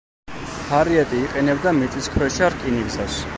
ჰარიეტი იყენებდა მიწისქვეშა რკინიგზას.